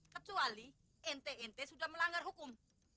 kecuali nt ente sudah melanggar hukum